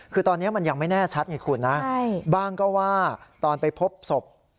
คือตอนนี้มันยังไม่แน่ชัดไงคุณนะบ้างก็ว่าตอนไปพบศพ